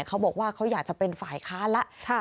เขาบอกว่าอยากจะเป็นฝ่ายค้าและ